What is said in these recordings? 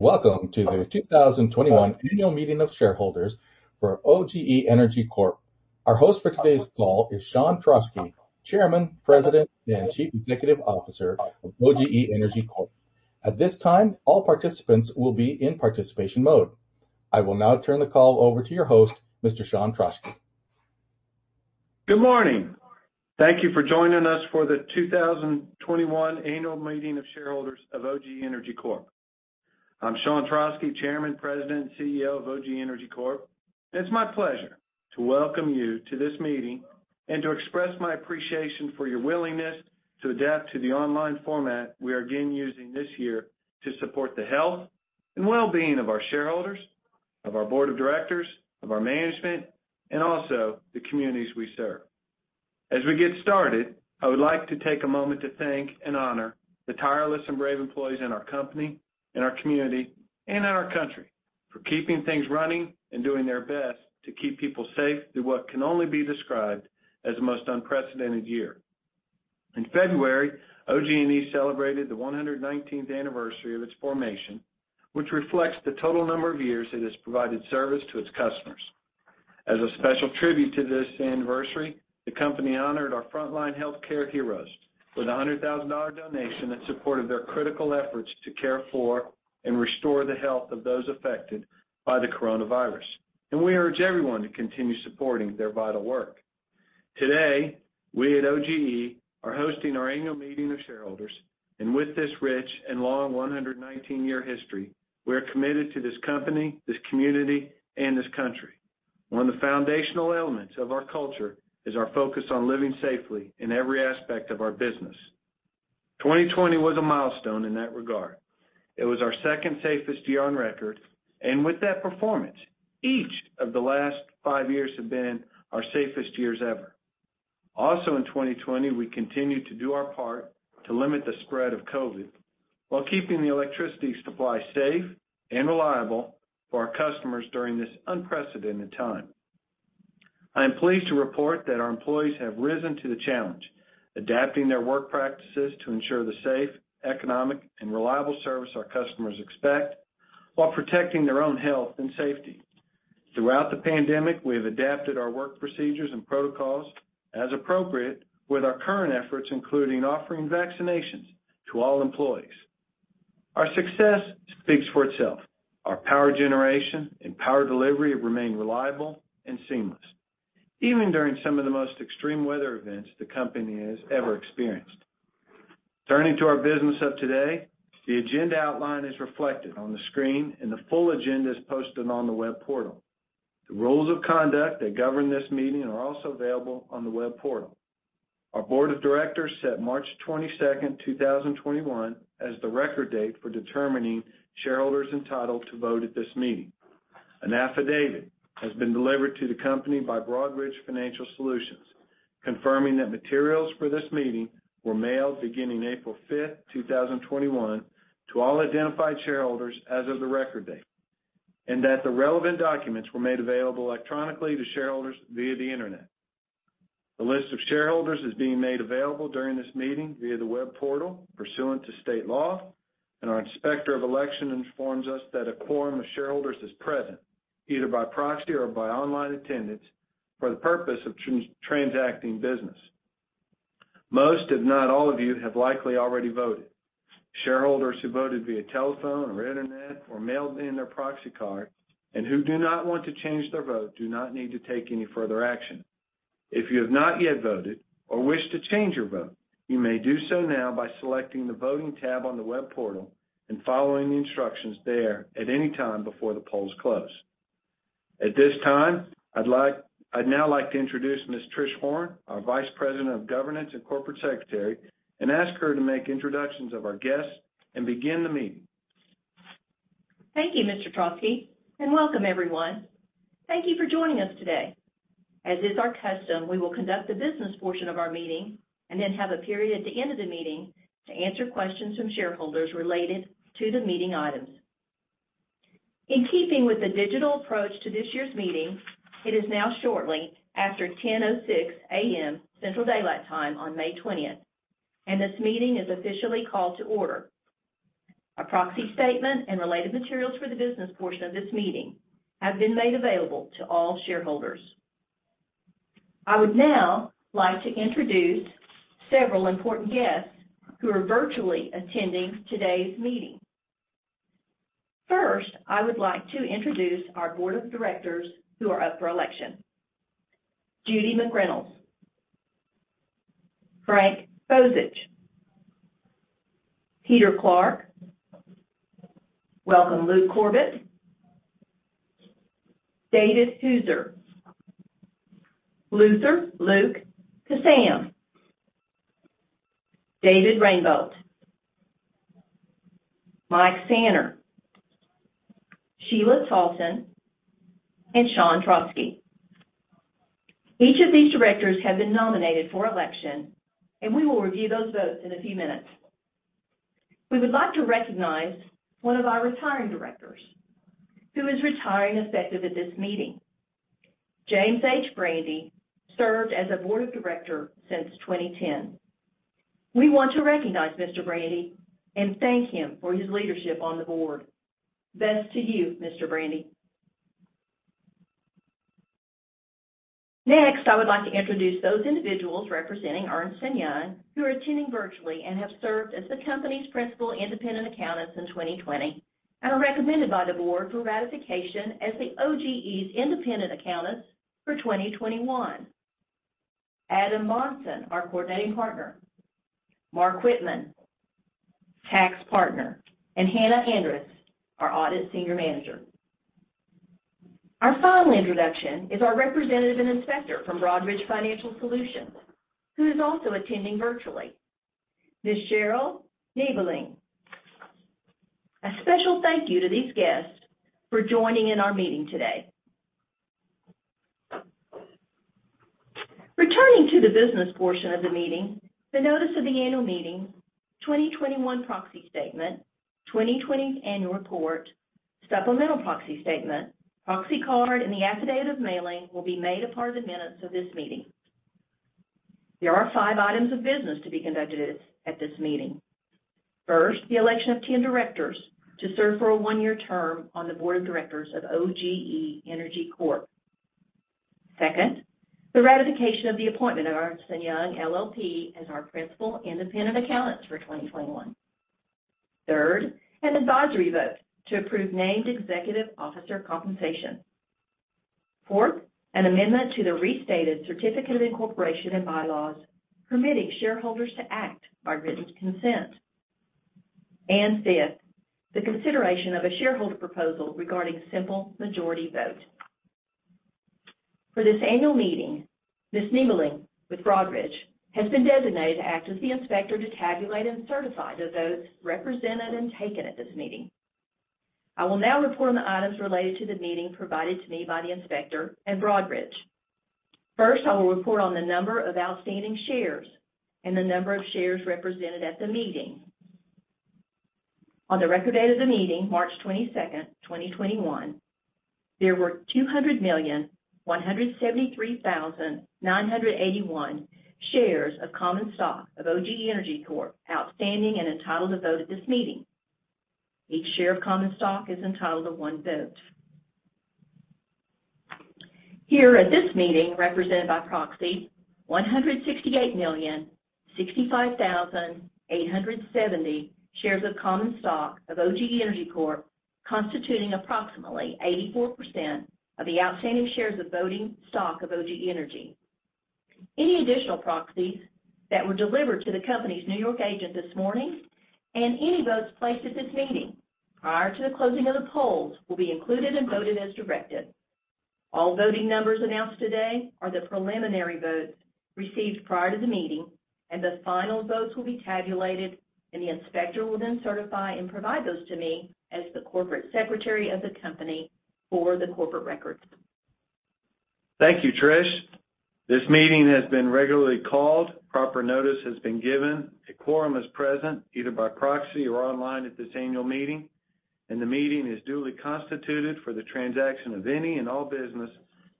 Welcome to the 2021 annual meeting of shareholders for OGE Energy Corp. Our host for today's call is Sean Trauschke, Chairman, President, and Chief Executive Officer of OGE Energy Corp. At this time, all participants will be in participation mode. I will now turn the call over to your host, Mr. Sean Trauschke. Good morning. Thank you for joining us for the 2021 annual meeting of shareholders of OGE Energy Corp. I'm Sean Trauschke, Chairman, President, and CEO of OGE Energy Corp. It's my pleasure to welcome you to this meeting and to express my appreciation for your willingness to adapt to the online format we are again using this year to support the health and well-being of our shareholders, of our board of directors, of our management, and also the communities we serve. As we get started, I would like to take a moment to thank and honor the tireless and brave employees in our company, in our community, and our country for keeping things running and doing their best to keep people safe through what can only be described as the most unprecedented year. In February, OGE celebrated the 119th anniversary of its formation, which reflects the total number of years it has provided service to its customers. As a special tribute to this anniversary, the company honored our frontline healthcare heroes with a $100,000 donation that supported their critical efforts to care for and restore the health of those affected by the coronavirus. We urge everyone to continue supporting their vital work. Today, we at OGE are hosting our annual meeting of shareholders, and with this rich and long 119-year history, we are committed to this company, this community, and this country. One of the foundational elements of our culture is our focus on living safely in every aspect of our business. 2020 was a milestone in that regard. It was our second safest year on record, and with that performance, each of the last five years has been our safest year ever. Also in 2020, we continued to do our part to limit the spread of COVID while keeping the electricity supply safe and reliable for our customers during this unprecedented time. I'm pleased to report that our employees have risen to the challenge, adapting their work practices to ensure the safe, economic, and reliable service our customers expect while protecting their own health and safety. Throughout the pandemic, we have adapted our work procedures and protocols as appropriate with our current efforts, including offering vaccinations to all employees. Our success speaks for itself. Our power generation and power delivery have remained reliable and seamless, even during some of the most extreme weather events the company has ever experienced. Turning to our business of today, the agenda outline is reflected on the screen, and the full agenda is posted on the web portal. The rules of conduct that govern this meeting are also available on the web portal. Our board of directors set March 22, 2021, as the record date for determining shareholders entitled to vote at this meeting. An affidavit has been delivered to the company by Broadridge Financial Solutions, confirming that materials for this meeting were mailed beginning April 5, 2021, to all identified shareholders as of the record date and that the relevant documents were made available electronically to shareholders via the Internet. The list of shareholders is being made available during this meeting via the web portal pursuant to state law. Our Inspector of Election informs us that a quorum of shareholders is present, either by proxy or by online attendance for the purpose of transacting business. Most, if not all of you, have likely already voted. Shareholders who voted via telephone or Internet or mailed in their proxy card and who do not want to change their vote do not need to take any further action. If you have not yet voted or wish to change your vote, you may do so now by selecting the Voting tab on the web portal and following the instructions there at any time before the polls close. At this time, I'd now like to introduce Ms. Trish Horn, our Vice President of Governance and Corporate Secretary, and ask her to make introductions of our guests and begin the meeting. Thank you, Mr. Trauschke, and welcome everyone. Thank you for joining us today. As is our custom, we will conduct the business portion of our meeting and then have a period at the end of the meeting to answer questions from shareholders related to the meeting items. In keeping with the digital approach to this year's meeting, it is now shortly after 10:06 A.M. Central Daylight Time on May 20th, and this meeting is officially called to order. Our proxy statement and the latest materials for the business portion of this meeting have been made available to all shareholders. I would now like to introduce several important guests who are virtually attending today's meeting. First, I would like to introduce our board of directors who are up for election. Judy McReynolds, Frank Bozich, Peter Clarke. Welcome, Luke Corbett. David Hauser. Luther Kissam, IV. David Rainbolt. Michael Sanner. Sheila Talton and Sean Trauschke. Each of these directors has been nominated for election, and we will review those votes in a few minutes. We're about to recognize one of our retiring directors who is retiring effective at this meeting. James H. Brandi served as a Board of Director since 2010. We want to recognize Mr. Brandi and thank him for his leadership on the board. Best to you, Mr. Brandi. Next, I would like to introduce those individuals representing Ernst & Young, who are attending virtually and have served as the company's principal independent accountants since 2020, and are recommended by the board for ratification as the OGE's independent accountants for 2021. Adam Monson, our coordinating partner; Mark Whitman, tax partner; and Hannah Andrus, our audit senior manager. Our final introduction is our representative inspector from Broadridge Financial Solutions, who is also attending virtually, Ms. Cheryl Niebeling. A special thank you to these guests for joining in our meeting today. Returning to the business portion of the meeting, the notice of the annual meeting, 2021 proxy statement, 2020 annual report, supplemental proxy statement, proxy card, and the affidavit of mailing will be made a part of the minutes of this meeting. There are five items of business to be conducted at this meeting. First, the election of 10 directors to serve for a one-year term on the board of directors of OGE Energy Corp. Second, the ratification of the appointment of Ernst & Young LLP as our principal independent accountants for 2021. Third, an advisory vote to approve named executive officer compensation. Fourth, an amendment to the restated certificate of incorporation and bylaws permitting shareholders to act by written consent. Fifth, the consideration of a shareholder proposal regarding a simple majority vote. For this annual meeting, Ms. Niebeling with Broadridge has been designated to act as the inspector to tabulate and certify the votes represented and taken at this meeting. I will now report on the items related to the meeting provided to me by the inspector and Broadridge. First, I will report on the number of outstanding shares and the number of shares represented at the meeting. On the record date of the meeting, March 22nd, 2021, there were 200,173,981 shares of common stock of OGE Energy Corp outstanding and entitled to vote at this meeting. Each share of common stock is entitled to one vote. Here at this meeting, represented by proxy, are 168,065,870 shares of common stock of OGE Energy Corp., constituting approximately 84% of the outstanding shares of voting stock of OGE Energy. Any additional proxies that were delivered to the company's N.Y. agent this morning, and any votes placed at this meeting prior to the closing of the polls will be included and voted on as directed. All voting numbers announced today are the preliminary votes received prior to the meeting, and the final votes will be tabulated, and the Inspector will then certify and provide those to me as the Corporate Secretary of the company for the corporate records. Thank you, Trish. This meeting has been regularly called. Proper notice has been given. A quorum is present, either by proxy or online at this annual meeting, and the meeting is duly constituted for the transaction of any and all business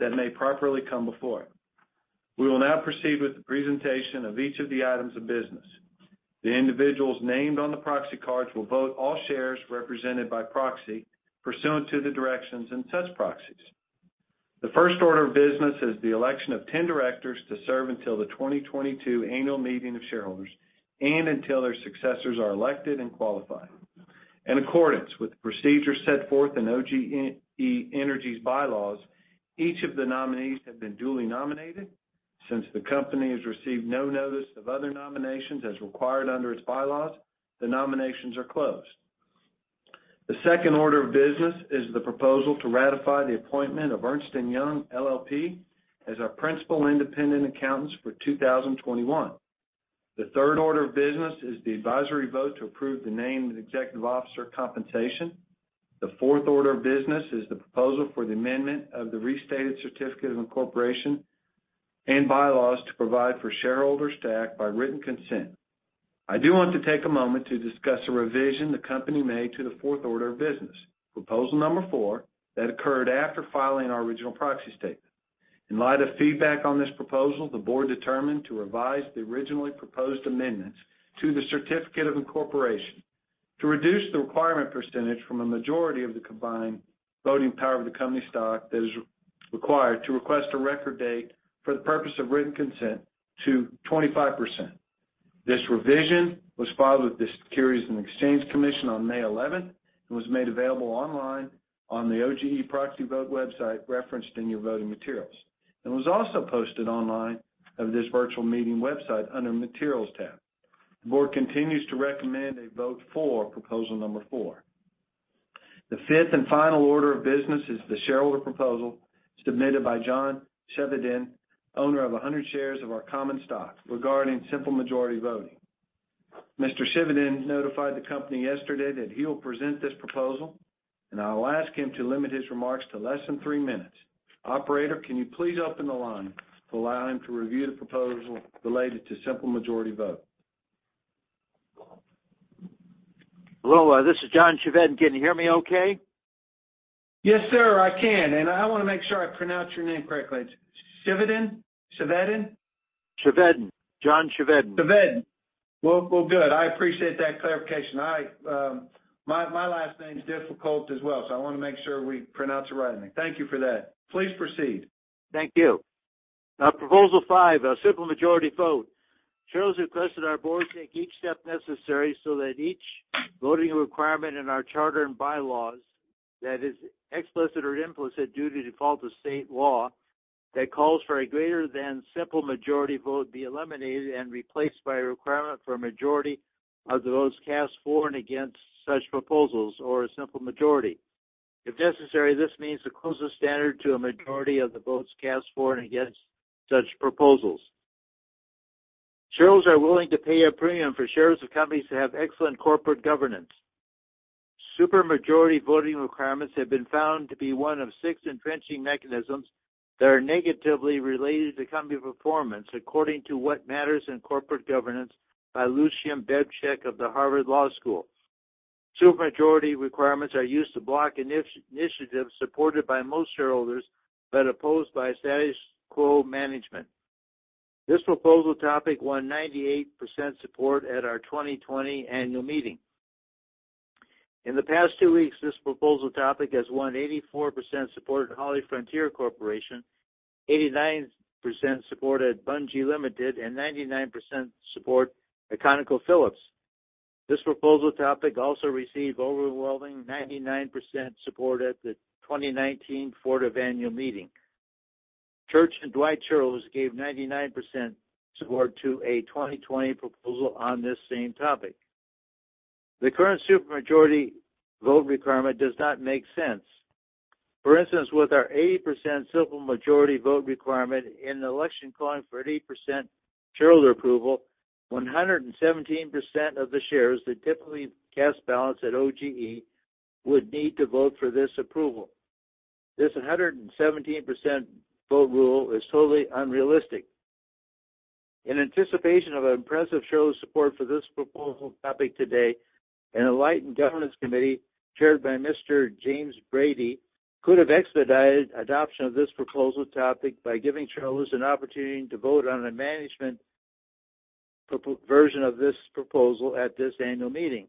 that may properly come before it. We will now proceed with the presentation of each of the items of business. The individuals named on the proxy cards will vote all shares represented by proxy pursuant to the directions in such proxies. The first order of business is the election of 10 directors to serve until the 2022 annual meeting of shareholders and until their successors are elected and qualified. In accordance with the procedures set forth in OGE Energy's bylaws, each of the nominees has been duly nominated. Since the company has received no notice of other nominations as required under its bylaws, the nominations are closed. The second order of business is the proposal to ratify the appointment of Ernst & Young LLP as our principal independent accountants for 2021. The third order of business is the advisory vote to approve the named executive officer compensation. The fourth order of business is the proposal for the amendment of the restated certificate of incorporation and bylaws to provide for shareholders to act by written consent. I do want to take a moment to discuss a revision the company made to the fourth order of business, proposal number four, that occurred after filing our original proxy statement. In light of feedback on this proposal, the board determined to revise the originally proposed amendments to the certificate of incorporation to reduce the requirement percentage from a majority of the combined voting power of the company stock that is required to request a record date for the purpose of written consent to 25%. This revision was filed with the Securities and Exchange Commission on May 11th. It was made available online on the OGE proxy vote website referenced in your voting materials and was also posted online at this virtual meeting website under the Materials tab. The board continues to recommend a vote for proposal number four. The fifth and final order of business is the shareholder proposal submitted by John Chevedden, owner of 100 shares of our common stock, regarding simple majority voting. Mr. Chevedden notified the company yesterday that he will present this proposal. I will ask him to limit his remarks to less than three minutes. Operator, can you please open the line to allow him to review the proposal related to a simple majority vote? Hello, this is John Chevedden. Can you hear me okay? Yes, sir, I can. I want to make sure I pronounce your name correctly. Chevedden? Chevedden? Chevedden. John Chevedden. Chevedden. Well, good. I appreciate that clarification. My last name's difficult as well, so I want to make sure we pronounce it right. Thank you for that. Please proceed. Thank you. Proposal five, simple majority vote. Shareholders have requested our board take each step necessary so that each voting requirement in our charter and bylaws that is explicit or implicit due to default of state law that calls for a greater than simple majority vote be eliminated and replaced by a requirement for a majority of the votes cast for and against such proposals or a simple majority. If necessary, this means the closest standard to a majority of the votes cast for and against such proposals. Shareholders are willing to pay a premium for shares of companies that have excellent corporate governance. Supermajority voting requirements have been found to be one of six entrenching mechanisms that are negatively related to company performance, according to What Matters in Corporate Governance? by Lucian Bebchuk of the Harvard Law School. Super majority requirements are used to block initiatives supported by most shareholders but opposed by status quo management. This proposal topic won 98% support at our 2020 annual meeting. In the past two weeks, this proposal topic has won 84% support at HollyFrontier Corporation, 89% support at Bunge Limited, and 99% support at ConocoPhillips. This proposal topic also received overwhelming 99% support at the 2019 Ford annual meeting. Church & Dwight shareholders gave 99% support to a 2020 proposal on this same topic. The current supermajority vote requirement does not make sense. For instance, with our 80% supermajority vote requirement in an election calling for 80% shareholder approval, 117% of the shares that typically cast ballots at OGE would need to vote for this approval. This 117% vote rule is totally unrealistic. In anticipation of impressive shareholder support for this proposal topic today, an enlightened governance committee chaired by Mr. James Brandi could have expedited adoption of this proposal topic by giving shareholders an opportunity to vote on a management version of this proposal at this annual meeting.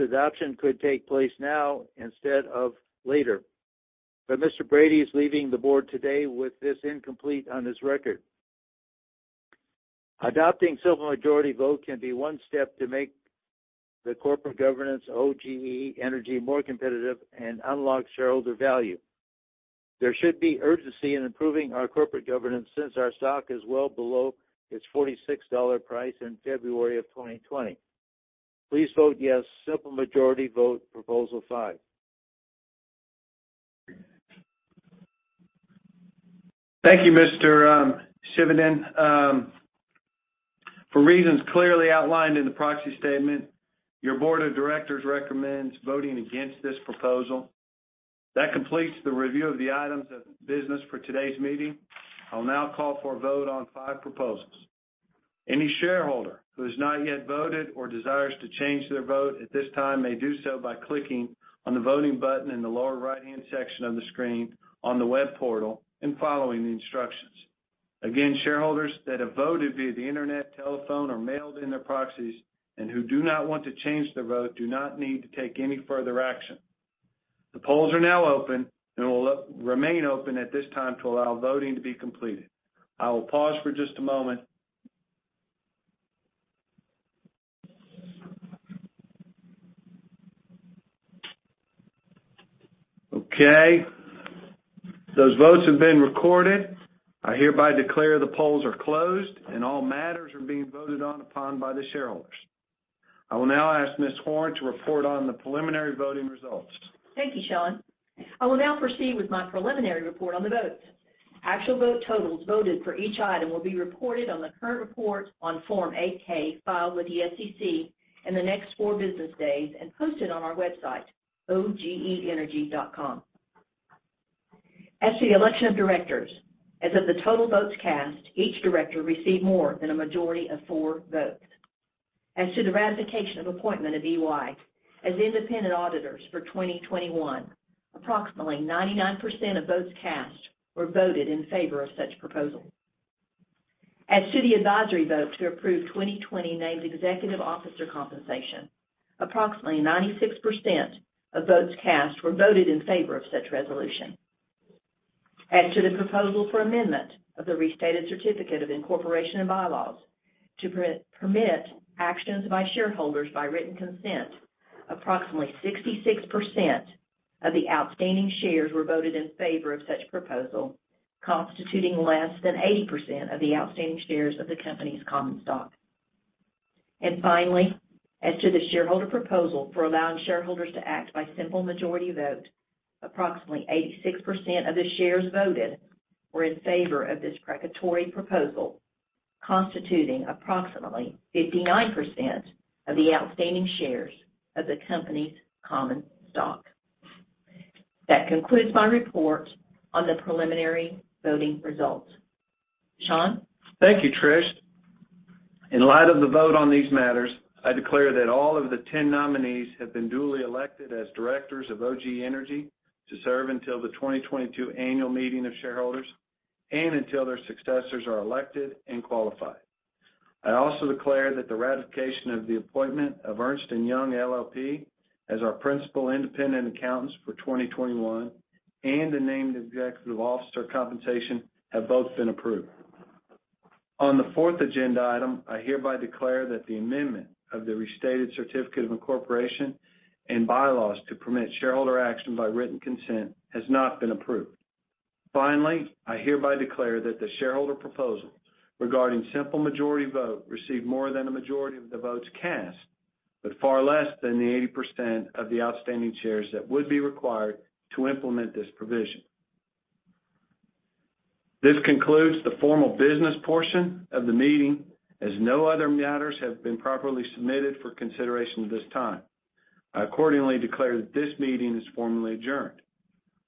Adoption could take place now instead of later. Mr. James Brandi is leaving the board today with this incomplete on his record. Adopting a simple majority vote can be one step to make the corporate governance of OGE Energy more competitive and unlock shareholder value. There should be urgency in improving our corporate governance since our stock is well below its $46 price in February of 2020. Please vote yes, simple majority vote proposal five. Thank you, Mr. Chevedden. For reasons clearly outlined in the proxy statement, your board of directors recommends voting against this proposal. That completes the review of the items of business for today's meeting. I will now call for a vote on five proposals. Any shareholder who has not yet voted or desires to change their vote at this time may do so by clicking on the voting button in the lower right-hand section of the screen on the web portal and following the instructions. Shareholders that have voted via the internet, telephone, or mailed in their proxies and who do not want to change their vote do not need to take any further action. The polls are now open and will remain open at this time to allow voting to be completed. I will pause for just a moment. Those votes have been recorded. I hereby declare the polls are closed and all matters are being voted on by the shareholders. I will now ask Ms. Horn to report on the preliminary voting results. Thank you, Sean. I will now proceed with my preliminary report on the votes. Actual vote totals voted for each item will be reported on the current report on Form 8-K filed with the SEC in the next four business days and posted on our website, ogeenergy.com. As for the election of directors, as for the total votes cast, each director received more than a majority of four votes. As to the ratification of the appointment of EY as independent auditors for 2021, approximately 99% of votes cast were voted in favor of such a proposal. As to the advisory vote to approve 2020 named executive officer compensation, approximately 96% of votes cast were voted in favor of such a resolution. As to the proposal for amendment of the restated certificate of incorporation and bylaws to permit actions by shareholders by written consent, approximately 66% of the outstanding shares were voted in favor of such proposal, constituting less than 80% of the outstanding shares of the company's common stock. Finally, as to the shareholder proposal for allowing shareholders to act by simple majority vote, approximately 86% of the shares voted were in favor of this precatory proposal, constituting approximately 59% of the outstanding shares of the company's common stock. That concludes my report on the preliminary voting results. Sean? Thank you, Trish. In light of the vote on these matters, I declare that all of the 10 nominees have been duly elected as directors of OGE Energy to serve until the 2022 annual meeting of shareholders and until their successors are elected and qualified. I also declare that the ratification of the appointment of Ernst & Young LLP as our principal independent accountants for 2021 and the named executive officer compensation have both been approved. On the fourth agenda item, I hereby declare that the amendment of the restated certificate of incorporation and bylaws to permit shareholder action by written consent has not been approved. Finally, I hereby declare that the shareholder proposal regarding a simple majority vote received more than a majority of the votes cast but far less than the 80% of the outstanding shares that would be required to implement this provision. This concludes the formal business portion of the meeting, as no other matters have been properly submitted for consideration at this time. I accordingly declare that this meeting is formally adjourned.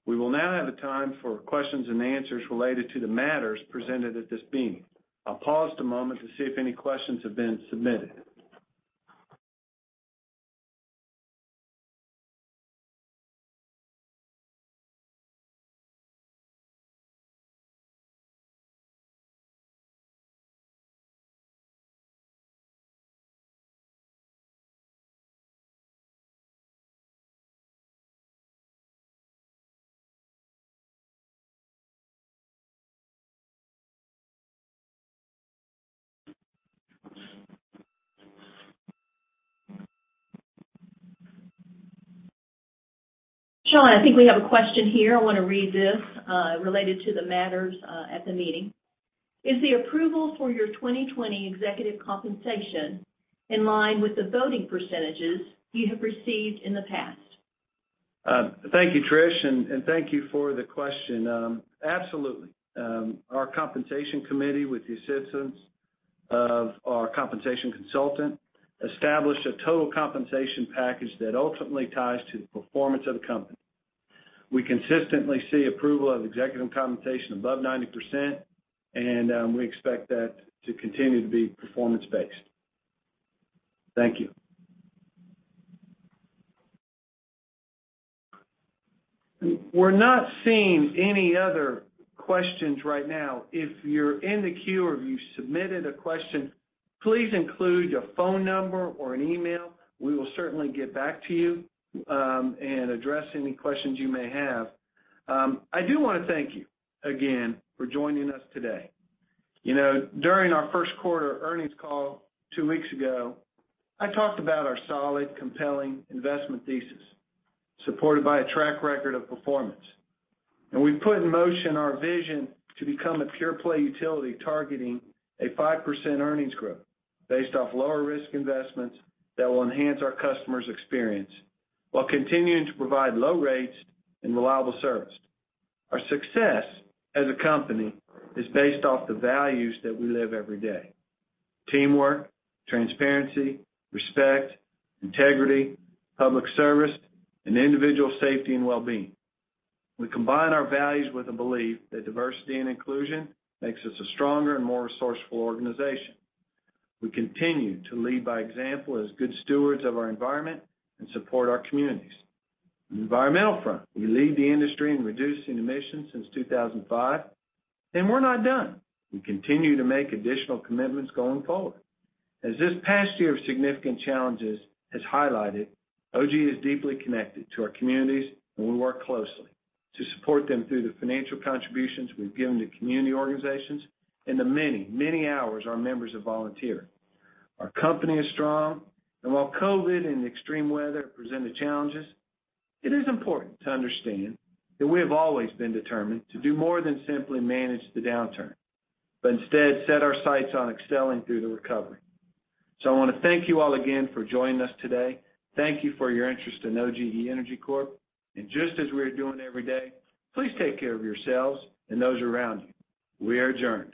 We will now have a time for questions and answers related to the matters presented at this meeting. I'll pause a moment to see if any questions have been submitted. Sean, I think we have a question here. I want to read this, related to the matters of the meeting. Is the approval for your 2020 executive compensation in line with the voting percentages you have received in the past? Thank you, Trish, and thank you for the question. Absolutely. Our compensation committee, with the assistance of our compensation consultant, established a total compensation package that ultimately ties to the performance of the company. We consistently see approval of executive compensation above 90%, and we expect that to continue to be performance-based. Thank you. We are not seeing any other questions right now. If you are in the queue or if you have submitted a question, please include a phone number or an email. We will certainly get back to you and address any questions you may have. I do want to thank you again for joining us today. During our first quarter earnings call two weeks ago, I talked about our solid, compelling investment thesis supported by a track record of performance. We put in motion our vision to become a pure-play utility targeting a 5% earnings growth based off lower-risk investments that will enhance our customers' experience while continuing to provide low rates and reliable service. Our success as a company is based off the values that we live every day: teamwork, transparency, respect, integrity, public service, and individual safety and wellbeing. We combine our values with a belief that diversity and inclusion makes us a stronger and more resourceful organization. We continue to lead by example as good stewards of our environment and support our communities. On the environmental front, we lead the industry in reducing emissions since 2005. We're not done. We continue to make additional commitments going forward. As this past year of significant challenges has highlighted, OGE is deeply connected to our communities, we work closely to support them through the financial contributions we've given to community organizations and the many hours our members have volunteered. Our company is strong, while COVID and extreme weather presented challenges, it is important to understand that we have always been determined to do more than simply manage the downturn, but instead set our sights on excelling through the recovery. I want to thank you all again for joining us today. Thank you for your interest in OGE Energy Corp. Just as we are doing every day, please take care of yourselves and those around you. We are adjourned.